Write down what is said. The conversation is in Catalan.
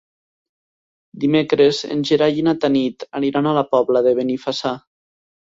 Dimecres en Gerai i na Tanit aniran a la Pobla de Benifassà.